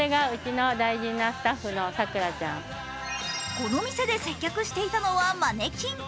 この店で接客していたのはマネキン。